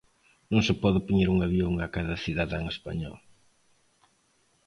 Non se pode poñer un avión a cada cidadán español...